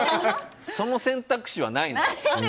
その選択肢はないのよ。